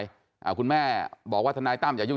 อ่าคุณแม่บอกว่าทนายตั้มอย่ายุ่ง